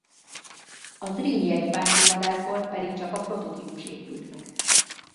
A Zrínyi I páncélvadászból pedig csak a prototípus épült meg.